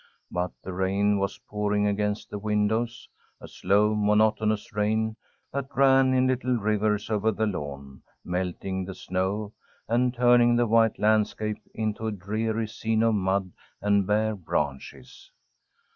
But the rain was pouring against the windows; a slow, monotonous rain that ran in little rivers over the lawn, melting the snow, and turning the white landscape into a dreary scene of mud and bare branches.